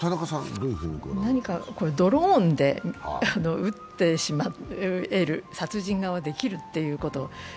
何かこれ、ドローンで撃ってしまえる、殺人ができるということ。